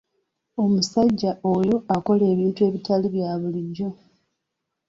Omusajja oyo akola ebintu ebitali bya bulijjo!